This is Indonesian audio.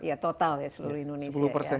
iya total ya seluruh indonesia